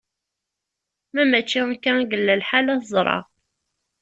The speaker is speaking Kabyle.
Ma mačči akka i yella lḥal, ad t-ẓreɣ.